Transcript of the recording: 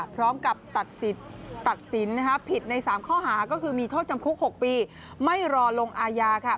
พร้อมกับตัดสินผิดใน๓ข้อหาก็คือมีโทษจำคุก๖ปีไม่รอลงอาญาค่ะ